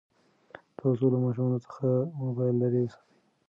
تاسو له ماشومانو څخه موبایل لرې وساتئ.